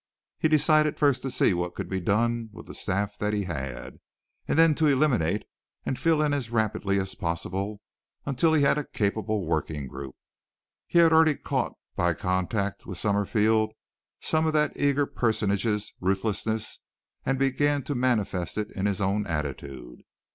He decided first to see what could be done with the staff that he had, and then to eliminate and fill in as rapidly as possible until he had a capable working group. He had already caught by contact with Summerfield some of that eager personage's ruthlessness and began to manifest it in his own attitude.